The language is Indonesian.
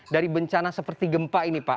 dari bencana seperti gempa ini pak